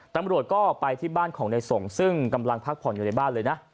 ตำรวจก็ไปที่บ้านของในส่งซึ่งกำลังพักผ่อนอยู่ในบ้านเลยนะ